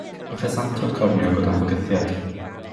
Mae ffesantod corniog o dan fygythiad.